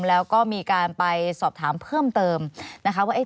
แล้วก็มีการไปสอบถามเพิ่มเติมนะคะว่า